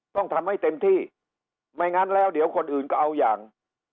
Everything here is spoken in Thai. ต้องทำให้เต็มที่ไม่งั้นแล้วเดี๋ยวคนอื่นก็เอาอย่าง